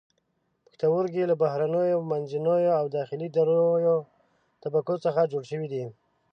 پښتورګي له بهرنیو، منځنیو او داخلي دریو طبقو څخه جوړ شوي دي.